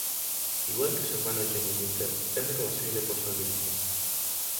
Igual que su hermano Johnny Winter es reconocible por su albinismo.